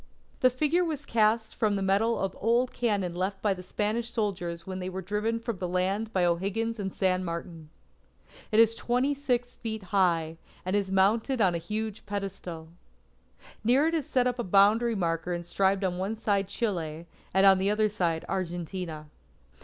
The figure was cast from the metal of old cannon left by the Spanish soldiers when they were driven from the land by O'Higgins and San Martin. It is twenty six feet high, and is mounted on a huge pedestal. Near it is set up a boundary marker inscribed on one side Chile, and on the other, Argentina.